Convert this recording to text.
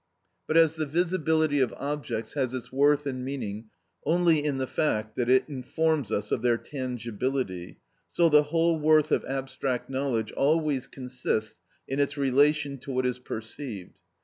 But as the visibility of objects has its worth and meaning only in the fact that it informs us of their tangibility, so the whole worth of abstract knowledge always consists in its relation to what is perceived.